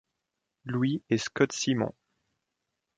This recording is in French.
Louis et Scott Simon.